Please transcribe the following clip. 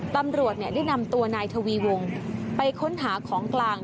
ตำรวจได้นำตัวนายทวีวงไปค้นหาของกลาง